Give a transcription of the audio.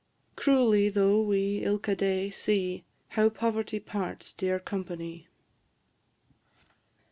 Cruelly though we ilka day see How poverty parts dear companie.